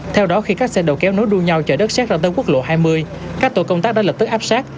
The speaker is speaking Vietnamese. theo đó khi các xe đầu kéo nối đuôi nhau chở đất xét ra tới quốc lộ hai mươi các tổ công tác đã lập tức áp sát